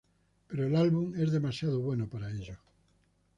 Pero el álbum es demasiado bueno para ello".